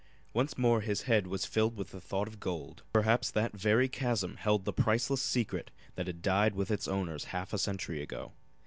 Once more his head was filled with the thought of gold. Perhaps that very chasm held the priceless secret that had died with its owners half a century ago.